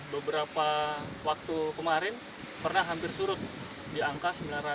beberapa waktu kemarin pernah hampir surut di angka sembilan ratus